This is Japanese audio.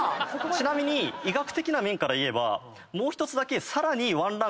ちなみに医学的な面から言えばもう１つだけ。